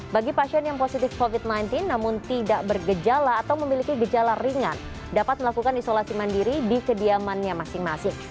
bagi pasien yang positif covid sembilan belas namun tidak bergejala atau memiliki gejala ringan dapat melakukan isolasi mandiri di kediamannya masing masing